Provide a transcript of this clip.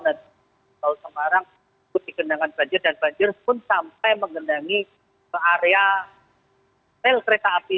dan kota semarang ikut di kendangan banjir dan banjir pun sampai mengendangi ke area tel kereta api